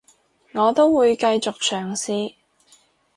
我都會繼續嘗試